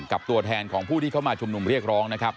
กับตัวแทนของผู้ที่เข้ามาชมนุมเรียกร้อง